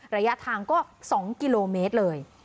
ระยะทางก็๒กิโลเมตรเลย